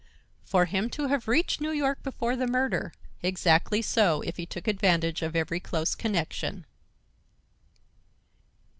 "For him to have reached New York before the murder. Exactly so, if he took advantage of every close connection."